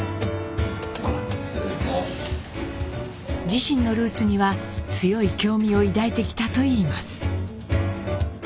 自身のルーツには強い興味を抱いてきたといいます。